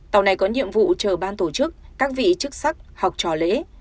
tàu này có nhiệm vụ chờ ban tổ chức các vị chức sắc học trò lễ